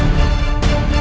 raja ibu nda